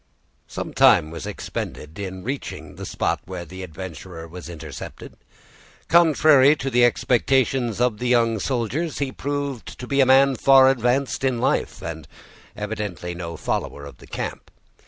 Some time was expended in reaching the spot where the adventurer was intercepted. Contrary to the expectations of the young soldiers, he proved to be a man far advanced in life, and evidently no follower of the camp.